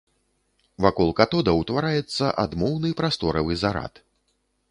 Вакол катода ўтвараецца адмоўны прасторавы зарад.